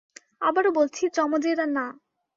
আবারো বলছি, জমজেরা না।